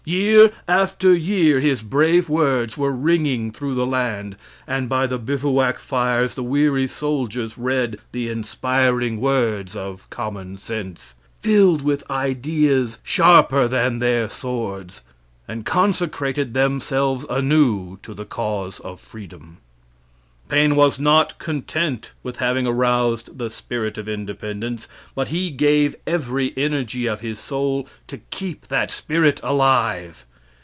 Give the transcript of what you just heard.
Year after year his brave words were ringing through the land, and by the bivouac fires the weary soldiers read the inspiring words of "Common Sense," filled with ideas sharper than their swords, and consecrated themselves anew to the cause of freedom. Paine was not content with having aroused the spirit of independence, but he gave every energy of his soul to keep that spirit alive.